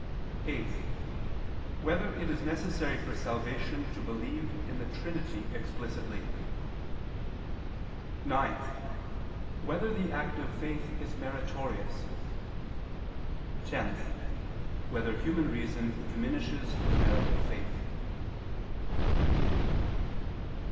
(8) Whether it is necessary for salvation to believe in the Trinity explicitly? (9) Whether the act of faith is meritorious? (10) Whether human reason diminishes the merit of faith?